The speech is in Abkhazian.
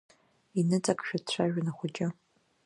Иныҵакшәа дцәажәон ахәыҷы.